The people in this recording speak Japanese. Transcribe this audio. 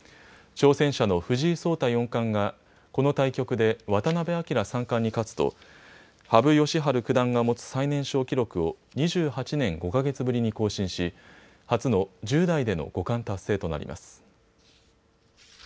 挑戦者の藤井聡太四冠がこの対局で渡辺明三冠に勝つと羽生善治九段が持つ最年少記録を２８年５か月ぶりに更新し初の１０代での五冠達成となります。